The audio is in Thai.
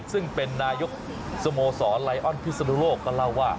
ซึ่งเป็นนายกสโมสรไลออนพิศนุโลกก็เล่าว่า